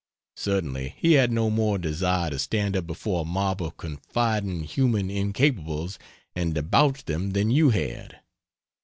Certainly he had no more desire to stand up before a mob of confiding human incapables and debauch them than you had.